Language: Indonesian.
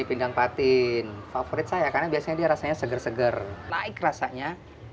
pindang patin favorit saya karena biasanya dia rasanya seger seger naik rasanya